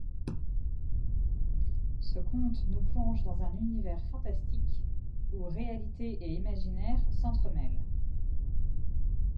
Ce conte nous plonge dans un univers fantastique où réalité et imaginaire s'entremêlent.